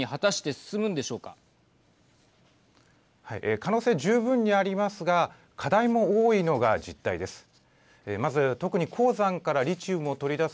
可能性十分にありますが課題も多いのが実態です。